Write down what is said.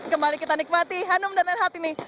kembali kita nikmati hanum dan renhat ini